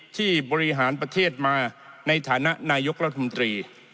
บริหารประเทศมาในฐานะนายกรัฐมนตรี